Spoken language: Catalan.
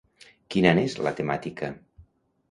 Quina n'és la temàtica?